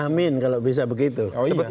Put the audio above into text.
amin kalau bisa begitu